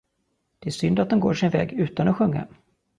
Det är synd, att de går sin väg utan att sjunga.